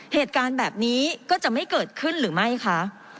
เหตุการณ์แบบนี้ก็จะไม่เกิดขึ้นหรือไม่คะ